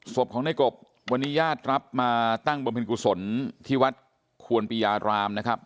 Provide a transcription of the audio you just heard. ศพของในกบวันนี้ญาติรับมาตั้งบำเพ็ญกุศลที่วัดควรปียารามนะครับ